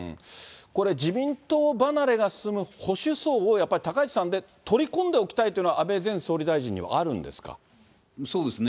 これ、自民党離れが進む保守層をやっぱり高市さん、取り込んでおきたいというのは、安倍前総理大臣にはあるんですかそうですね。